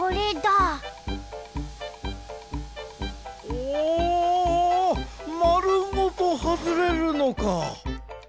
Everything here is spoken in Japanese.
おまるごとはずれるのか。